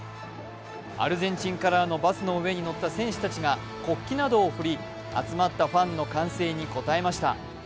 アルゼンチンカラーのバスの上にん乗った選手たちが国旗などを振り集まったファンの歓声に応えました。